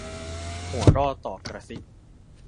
หัวร่อต่อกระซิก